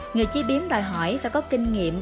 người chế biến đòi hỏi phải có kinh nghiệm